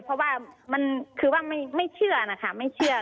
เพราะว่ามันคือว่าไม่เชื่อนะคะไม่เชื่อ